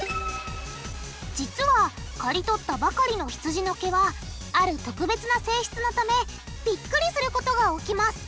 実はかり取ったばかりのひつじの毛はある特別な性質のためビックリすることが起きます。